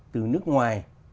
từ nước ngoài